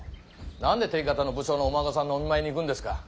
何で敵方の武将のお孫さんのお見舞いに行くんですか？